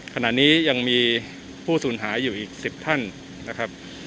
ขณะนี้ยังมีผู้สูญหายอยู่อีก๑๐ท่านนะครับ